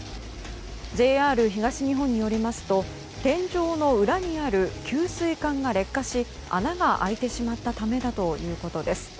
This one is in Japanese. ＪＲ東日本によりますと天井の裏にある給水管が劣化し穴が開いてしまったためだということです。